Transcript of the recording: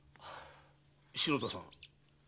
篠田さん